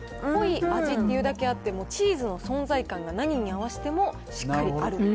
濃い味っていうだけあって、もうチーズの存在感が何に合わせても、しっかりある。